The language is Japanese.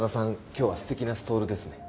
今日は素敵なストールですね